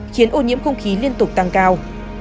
khiến ô nhiễm không khí liên tục tăng cao